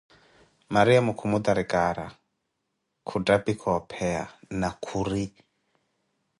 Mariamo khumutari cara, khukatiphuka opeya na khuri